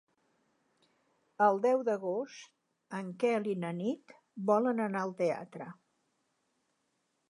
El deu d'agost en Quel i na Nit volen anar al teatre.